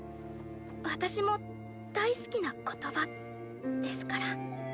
私も大好きな言葉ですから。